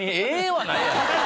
はないやろ。